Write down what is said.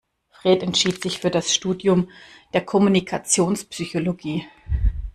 Fred entschied sich für das Studium der Kommunikationspsychologie.